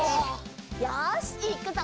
よしいくぞ！